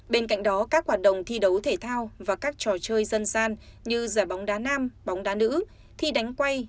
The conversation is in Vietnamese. bên cạnh đó các hoạt động thi đấu thể thao và các trò chơi dân gian như giải bóng đá nam bóng đá nữ thi đánh quay